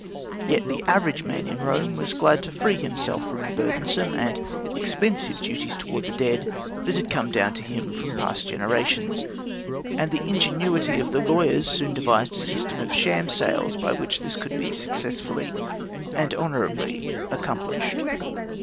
Yet the average man in Rome was glad to free himself from burdensome and expensive duties towards the dead that had come down to him from past generations, and the ingenuity of the lawyers soon devised a system of sham sales by which this could be successfully and honourably accomplished.